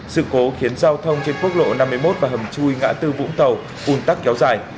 sự cố khiến giao thông trên quốc lộ năm mươi một và hầm chui ngã tư vũng tàu ủn tắc kéo dài